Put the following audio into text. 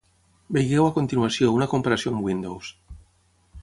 Vegeu a continuació una comparació amb Windows.